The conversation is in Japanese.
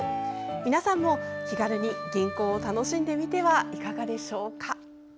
皆さんも、気軽に吟行を楽しんでみてはいかがでしょうか。